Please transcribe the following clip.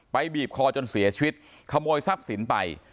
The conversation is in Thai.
บีบคอจนเสียชีวิตขโมยทรัพย์สินไป